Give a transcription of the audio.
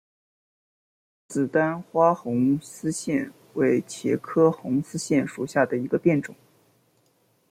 紫单花红丝线为茄科红丝线属下的一个变种。